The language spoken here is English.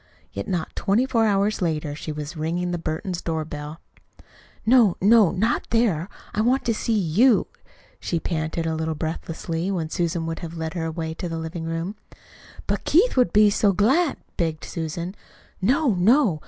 Yet not twenty four hours later she was ringing the Burtons' doorbell. "No, no not there! I want to see YOU," she panted a little breathlessly, when Susan would have led the way to the living room. "But Keith would be so glad " begged Susan. "No, no!